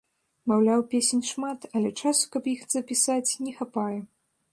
Маўляў, песень шмат, але часу, каб іх запісаць, не хапае.